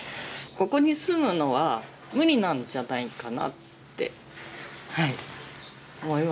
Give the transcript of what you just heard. ここに住むのは無理なんじゃないかなってはい思いました。